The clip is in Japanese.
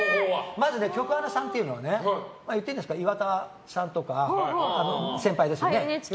まず局アナさんというのは言っていいですかね岩田さんとか、先輩ですよね。